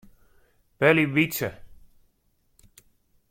Belje Wytse.